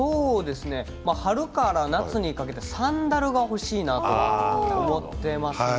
春から夏にかけてサンダルが欲しいなと思っていますね。